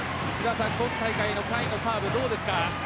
今大会の甲斐のサーブどうですか？